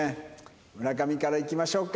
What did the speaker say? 村上からいきましょうか。